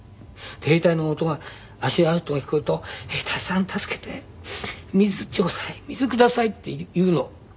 兵隊の足音が聞こえると「兵隊さん助けて」「水頂戴。水ください」って言うの。